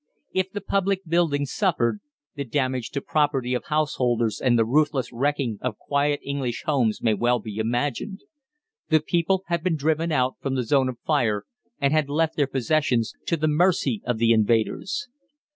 If the public buildings suffered, the damage to property of householders and the ruthless wrecking of quiet English homes may well be imagined. The people had been driven out from the zone of fire, and had left their possessions to the mercy of the invaders.